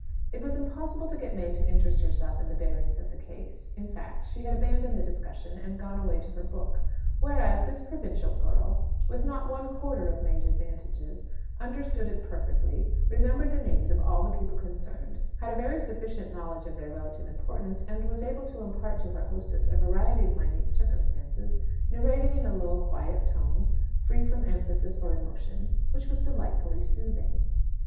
It was impossible to get May to interest herself in the bearings of the case. In fact, she had abandoned the discussion, and gone away to her book; whereas this provincial girl, with not one quarter of May's advantages, understood it perfectly, remembered the names of all the people concerned, had a very sufficient knowledge of their relative importance, and was able to impart to her hostess a variety of minute circumstances, narrated in a low, quiet tone, free from emphasis or emotion, which was delightfully soothing.